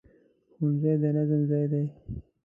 ښوونځی د نظم ځای دی